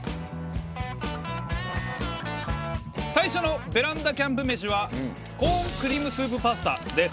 最初のベランダキャンプ飯はコーンクリームスープパスタです。